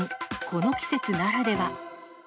この季節ならでは。